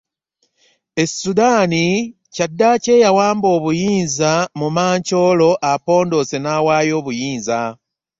E Sudan, kyaddaaki eyawamba obuyinza mu mancoolo apondoose n'awaayo obuyinza.